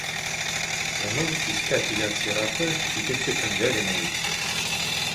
Уның кискә тигән сираты икенсе көнгә генә етте.